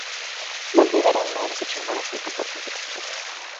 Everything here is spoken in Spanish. Margaret era una de ocho hermanos que compartían su pasión por la música.